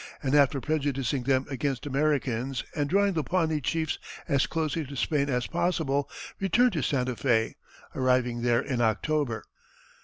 and after prejudicing them against Americans and drawing the Pawnee chiefs as closely to Spain as possible returned to Santa Fé, arriving there in October.